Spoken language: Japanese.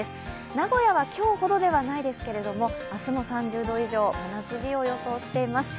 名古屋は今日ほどではないですけれども明日も３０度以上、真夏日を予想しています。